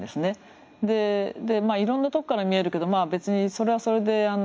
でいろんなとこから見えるけど別にそれはそれで。